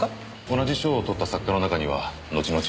同じ賞を取った作家の中にはのちのち